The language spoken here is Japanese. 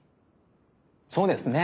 そうですね。